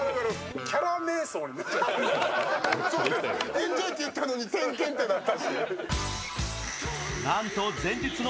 エンジョイって言ったのに点検になった